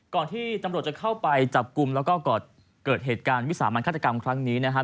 ก่อนที่ตำรวจจะเข้าไปจับกลุ่มแล้วก็เกิดเหตุการณ์วิสามันฆาตกรรมครั้งนี้นะครับ